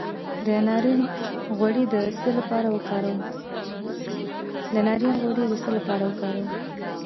د ناریل غوړي د څه لپاره وکاروم؟